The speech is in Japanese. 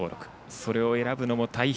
それを選ぶのも大変。